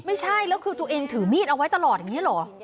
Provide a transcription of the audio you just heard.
ไม่ใช่แล้วคือตัวเองถือมีดเอาไว้ตลอดอย่างนี้เหรอ